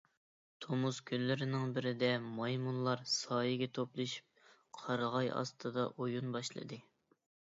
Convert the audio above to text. تومۇز كۈنلىرىنىڭ بىرىدە مايمۇنلار سايىگە توپلىشىپ، قارىغاي ئاستىدا ئويۇن باشلىدى.